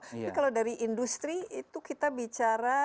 tapi kalau dari industri itu kita bicara